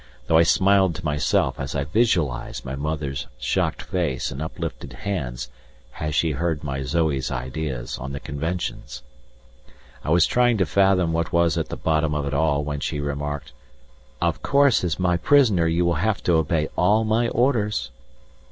though I smiled to myself as I visualized my mother's shocked face and uplifted hands had she heard my Zoe's ideas on the conventions. I was trying to fathom what was at the bottom of it all when she remarked: "Of course, as my prisoner you will have to obey all my orders."